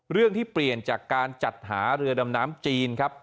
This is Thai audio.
เรื่องที่เปลี่ยนจากการจัดหาเรือดำน้ำจีนครับ